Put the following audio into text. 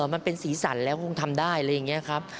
มันเป็นสีสันแล้วคงทำได้อะไรอย่างนี้ครับ